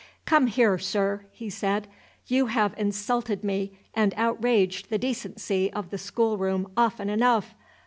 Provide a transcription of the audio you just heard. "Come here, Sir!" he said; "you have insulted me and outraged the decency of the schoolroom often enough!